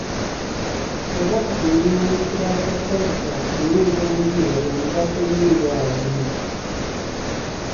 Obubaka ku nnima y'ekibala kya citrus n'enva endiirwa bya mugaso nnyo eri abalimi.